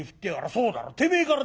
そうだろてめえから出てきた。